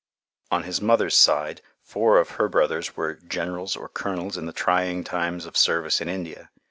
On his mother's side, four of her brothers were generals or colonels in the trying times of service in India.